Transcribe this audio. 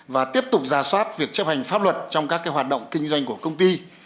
và tiếp tục ra soát việc chấp hành pháp luật trong các hoạt động kinh doanh của công ty